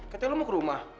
ketika lo mau ke rumah